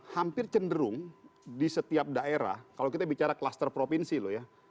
hampir cenderung di setiap daerah kalau kita bicara kluster provinsi loh ya